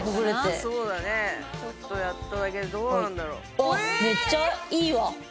あっめっちゃいいわ。